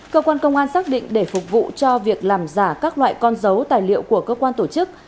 cơ quan công an xác định để phục vụ cho việc làm giả các loại con dấu tài liệu của cơ quan tổ chức